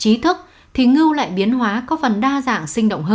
trí thức thì ngư lại biến hóa có phần đa dạng sinh động hơn